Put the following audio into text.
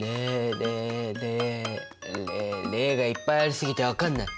０がいっぱいありすぎて分かんない。